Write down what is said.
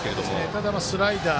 ただ、スライダー。